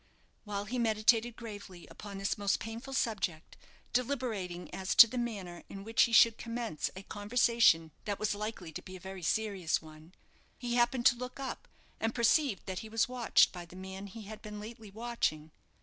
While he meditated gravely upon this most painful subject, deliberating as to the manner in which he should commence a conversation that was likely to be a very serious one, he happened to look up, and perceived that he was watched by the man he had been lately watching.